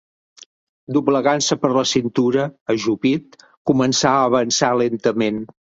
Doblegant-se per la cintura, ajupit, començà a avançar lentament